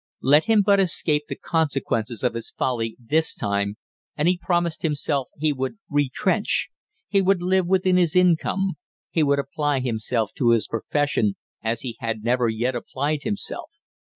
Let him but escape the consequences of his folly this time and he promised himself he would retrench; he would live within his income, he would apply himself to his profession as he had never yet applied himself.